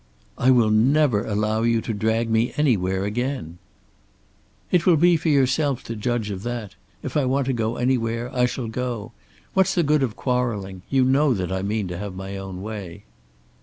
"I will never allow you to drag me anywhere again." "It will be for yourself to judge of that. If I want to go anywhere, I shall go. What's the good of quarrelling? You know that I mean to have my way."